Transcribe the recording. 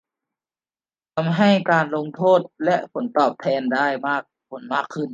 ทำให้การลงทุนและผลตอบแทนได้ผลมากขึ้น